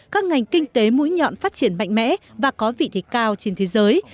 các ngành kinh tế mũi nhọn phát triển mạnh mẽ và có vị thế cao trên thế giới